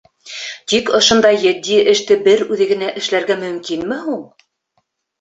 Тик ошондай етди эште бер үҙе генә эшләргә мөмкинме һуң?